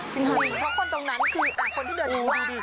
จริงเพราะคนตรงนั้นคือคนที่เดินทางล่าง